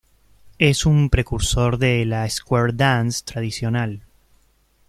Es un precursor de la "Square dance" tradicional.